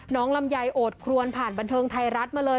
ลำไยโอดครวนผ่านบันเทิงไทยรัฐมาเลย